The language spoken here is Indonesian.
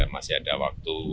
masih ada waktu